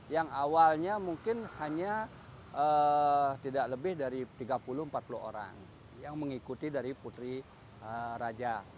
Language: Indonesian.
yang awalnya mungkin hanya tidak lebih dari tiga puluh empat puluh orang yang mengikuti dari putri raja